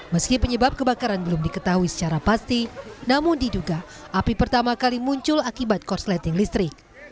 meski penyebab kebakaran belum diketahui secara pasti namun diduga api pertama kali muncul akibat korsleting listrik